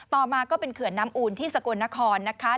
ต่อมาก็เป็นเขื่อนน้ำอูนที่สกลนครนะคะ